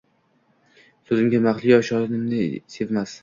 Soʼzimga mahliyo, shonimni sevmas